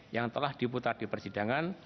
yang telah diputar di persidangan